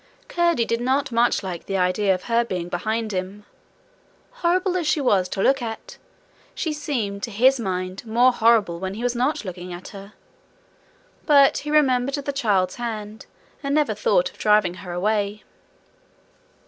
Curdie did not much like the idea of her being behind him. Horrible as she was to look at, she seemed to his mind more horrible when he was not looking at her. But he remembered the child's hand, and never thought of driving her away.